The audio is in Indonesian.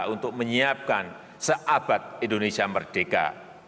untuk menyiapkan seabad indonesia merdeka